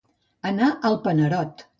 Anar al panerot.